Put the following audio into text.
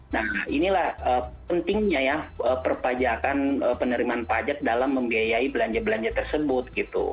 nah inilah pentingnya ya perpajakan penerimaan pajak dalam membiayai belanja belanja tersebut gitu